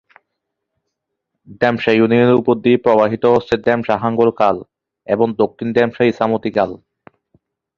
ঢেমশা ইউনিয়নের উপর দিয়ে প্রবাহিত হচ্ছে ঢেমশা হাঙ্গর খাল এবং দক্ষিণ ঢেমশা ইছামতি খাল।